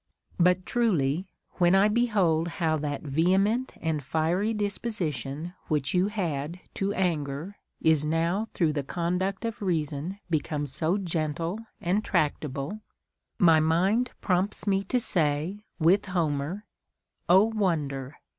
But truly, when I behold how that vehement and fiery dis position which you had to anger is now through the con duct of reason become so gentle and tractable, my mind prompts me to say, with Homer, — 0 wonder